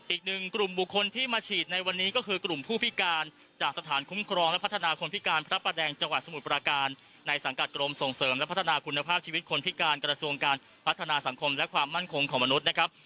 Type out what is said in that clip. อีกหนึ่งกลุ่มบุคคลที่มาฉีดในวันนี้ก็คือกลุ่มผู้พิการจากสถานคุ้มครองและพัฒนาคนพิการพระประแดงจังหวัดสมุทรปราการในสังกัดกรมส่งเสริมและพัฒนาคุณภาพชีวิตคนพิการกระทรวงการพัฒนาสังคมและความมั่นคงของมนุษย์นะครับ